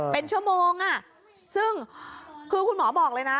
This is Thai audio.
เป็นชั่วโมงอ่ะซึ่งคือคุณหมอบอกเลยนะ